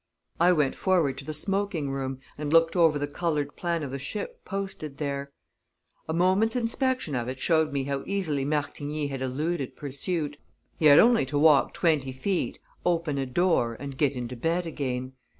I went forward to the smoking room, and looked over the colored plan of the ship posted there. A moment's inspection of it showed me how easily Martigny had eluded pursuit he had only to walk twenty feet, open a door, and get into bed again.